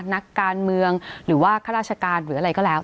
นักการเมืองหรือว่าข้าราชการหรืออะไรก็แล้ว